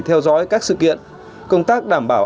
theo dõi các sự kiện công tác đảm bảo